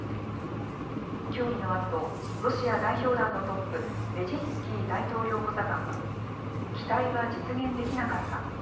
協議のあと、ロシア代表団のトップ、メジンスキー大統領補佐官は、期待は実現できなかった。